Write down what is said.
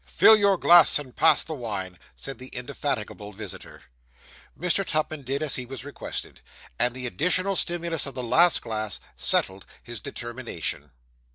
'Fill your glass, and pass the wine,' said the indefatigable visitor. Mr. Tupman did as he was requested; and the additional stimulus of the last glass settled his determination.